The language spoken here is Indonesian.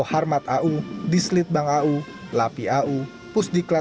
upacara diikuti para pejabat dan anggota dari markas lanut sulaiman lanut hussein sastra negara